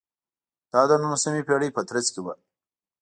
دا د نولسمې پېړۍ په ترڅ کې و.